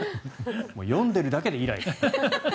読んでいるだけでイライラ。